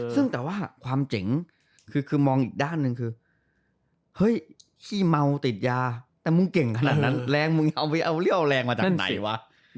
ซึ่งแต่ว่าความเจ๋งคือมองอีกด้านหนึ่งคือเฮ้ยขี้เมาติดยาแต่มึงเก่งขนาดนั้นแรงมึงเอาเรี่ยวแรงมาจากไหนวะ